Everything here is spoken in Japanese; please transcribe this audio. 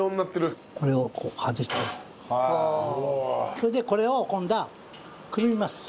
それでこれを今度はくるみます。